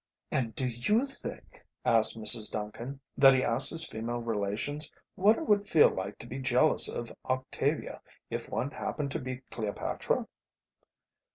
"And do you think," asked Mrs. Duncan, "that he asked his female relations what it would feel like to be jealous of Octavia if one happened to be Cleopatra?"